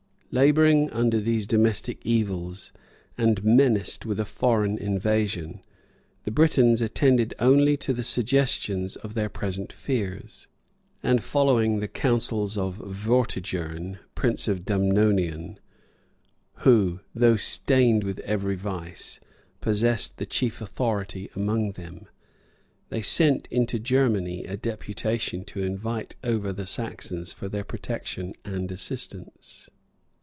[*][* Gildas, Bede, lib. i. cap. 17. Constant, in Vita Germ.] Laboring under these domestic evils, and menaced with a foreign invasion, the Britons attended only to the suggestions of their present fears, and following the counsels of Vortigern, prince of Dumnonium, who, though stained with every vice, possessed the chief authority among them,[*] they sent into Germany a deputation to invite over the Saxons for their protection and assistance.